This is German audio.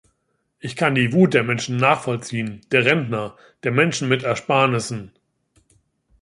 Ich kann die Wut der Menschen nachvollziehen, der Rentner, der Menschen mit Ersparnissen.